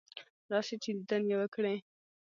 راشه چې دیدن یې وکړې.